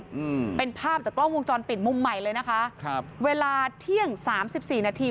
อืมเป็นภาพจากกล้องวงจรปิดมุมใหม่เลยนะคะครับเวลาเที่ยงสามสิบสี่นาที